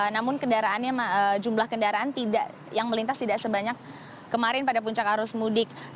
namun jumlah kendaraan yang melintas tidak sebanyak kemarin pada puncak arus mudik